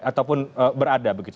ataupun berada begitu